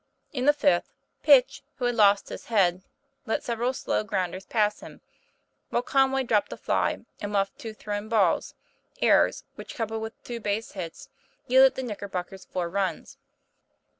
In the fifth, Pitch, who had lost his head, let sev eral slow grounders pass him, while Conway dropped a fly and muffed two thrown balls errors which, coupled with two base hits, yielded the Knicker bockers four runs.